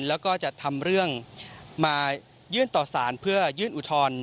แล้วก็จะทำเรื่องมายื่นต่อสารเพื่อยื่นอุทธรณ์